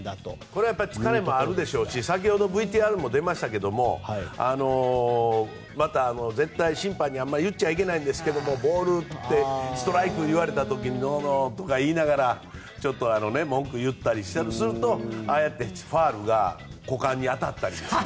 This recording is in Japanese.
これは疲れもあるでしょうし先ほどＶＴＲもありましたけどまた絶対審判にはあまり言っちゃいけないんですがボールが来てストライクと言われてからノーノーとか言いながらちょっと文句を言ったりするとああやってファウルが股間に当たったり。